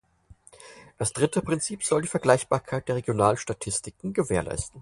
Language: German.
Das dritte Prinzip soll die Vergleichbarkeit der Regionalstatistiken gewährleisten.